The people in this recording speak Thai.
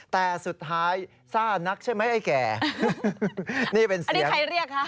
แต่สุดท้ายซ่านักใช่ไหมไอ้แก่นี่เป็นอันนี้ใครเรียกคะ